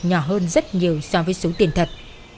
nhỏ hơn rất nhiều so với số tiền thật